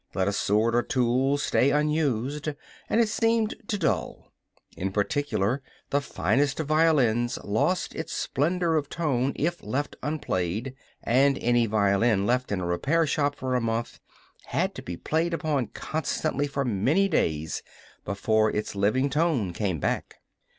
Let a sword or tool stay unused, and it seemed to dull. In particular, the finest of violins lost its splendor of tone if left unplayed, and any violin left in a repair shop for a month had to be played upon constantly for many days before its living tone came back.